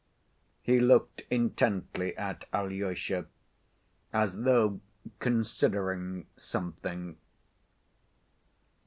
He looked intently at Alyosha, as though considering something.